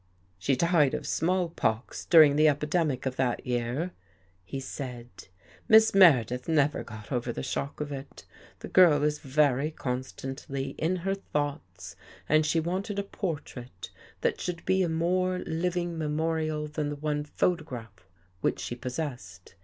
" She died of small pox during the epidemic of that year," he said. " Miss Meredith never got over the shock of it. The girl is very con stantly in her thoughts and she wanted a portrait that should be a more living memorial than the one pho tograph which she possessed.